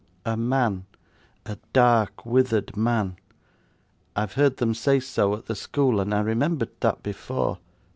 'A man a dark, withered man. I have heard them say so, at the school, and I remembered that before.